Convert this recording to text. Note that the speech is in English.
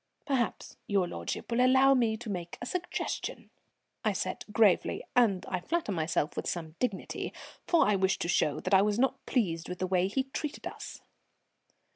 "Perhaps your lordship will allow me to make a suggestion?" I said gravely, and I flatter myself with some dignity, for I wished to show I was not pleased with the way he treated us.